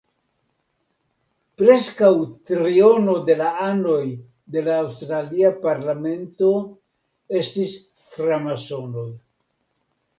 Preskaŭ triono de la anoj de la aŭstralia parlamento estis framasonoj.